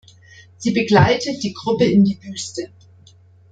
Sie begleitet die Gruppe in die Wüste.